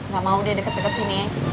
gak mau dia deket deket sini